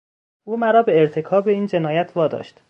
او مرا به ارتکاب این جنایت واداشت.